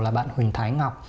là bạn huỳnh thái ngọc